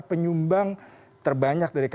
penyumbang terbanyak dari warga